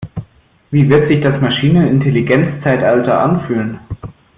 Wie wird sich das Maschinenintelligenzzeitalter anfühlen?